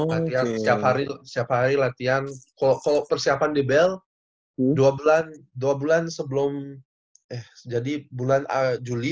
latihan setiap hari setiap hari latihan kalau persiapan di bel dua bulan dua bulan sebelum eh jadi bulan juli